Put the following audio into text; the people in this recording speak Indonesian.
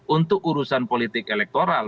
untuk urusan politik elektoral